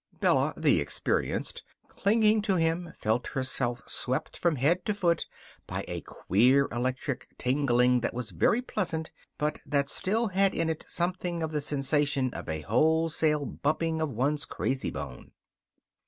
Bella, the experienced, clinging to him, felt herself swept from head to foot by a queer electric tingling that was very pleasant but that still had in it something of the sensation of a wholesale bumping of one's crazy bone.